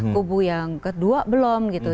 kubu yang kedua belum gitu